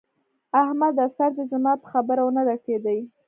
احمده! سر دې زما په خبره و نه رسېدی!